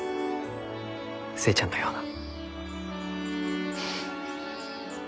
寿恵ちゃんのような。